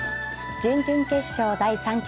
準々決勝第３局。